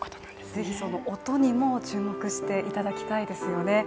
ぜひ、音にも注目していただきたいですよね。